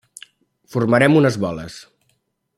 Formarem unes boles.